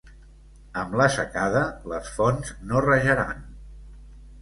Amb la secada, les fonts no rajaran.